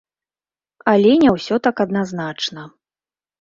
Але не усё так адназначна.